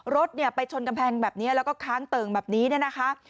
รถไปชนกำแพงแบบนี้แล้วก็ค้างเติ่งแบบนี้นะคะ